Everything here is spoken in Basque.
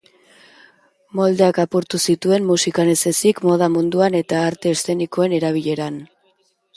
Moldeak apurtu zituen musikan ez ezik, moda munduan eta arte eszenikoen erabileran.